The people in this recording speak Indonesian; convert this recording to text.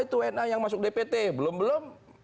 itu wna yang masuk dpt belum belum